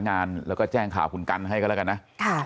งานแล้วก็แจ้งข่าวคุณกันให้ก็แล้วกันนะ